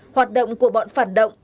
hoạt động của bọn phản động